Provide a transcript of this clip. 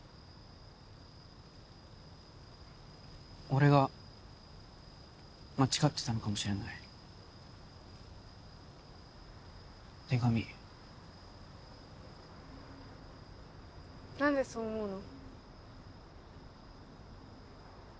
俺が間違ってたのかもしれない手紙何でそう思うの？